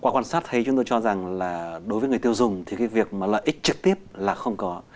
qua quan sát thấy chúng tôi cho rằng là đối với người tiêu dùng thì cái việc mà lợi ích trực tiếp là không có